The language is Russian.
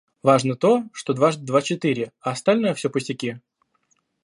Важно то, что дважды два четыре, а остальное все пустяки.